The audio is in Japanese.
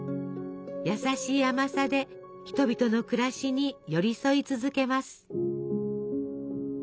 優しい甘さで人々の暮らしに寄り添い続けます。